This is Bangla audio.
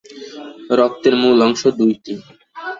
রক্তের মূল অংশ দুইটি।